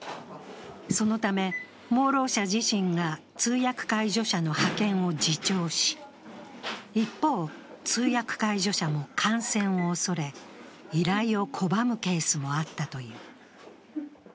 そのため盲ろう者自身が通訳介助者の派遣を自重し、一方、通訳介助者も感染を恐れ、依頼を拒むケースもあったという。